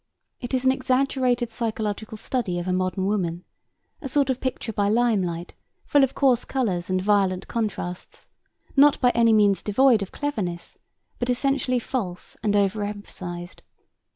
It is an exaggerated psychological study of a modern woman, a sort of picture by limelight, full of coarse colours and violent contrasts, not by any means devoid of cleverness but essentially false and over emphasised.